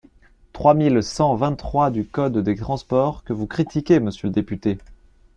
trois mille cent vingt-trois du code des transports, que vous critiquez, monsieur le député.